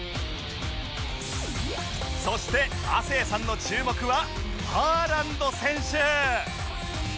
そして亜生さんの注目はハーランド選手